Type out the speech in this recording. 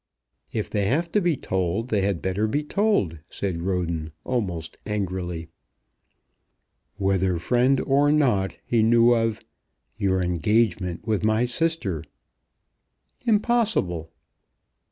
"If they have to be told, they had better be told," said Roden, almost angrily. "Whether friend or not, he knew of your engagement with my sister." "Impossible!"